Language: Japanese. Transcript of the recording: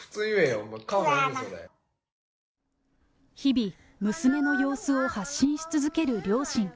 日々、娘の様子を発信し続ける両親。